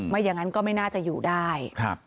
อย่างนั้นก็ไม่น่าจะอยู่ได้